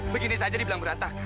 begini saja dibilang berantakan